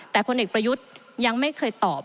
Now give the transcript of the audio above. แต่พลเอกประยุทธ์ยังไม่เคยตอบ